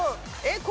えっ？